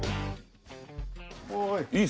おい。